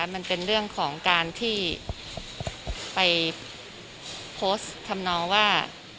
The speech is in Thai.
มันเป็นเรื่องของการที่ไปโพสต์ทำนองว่า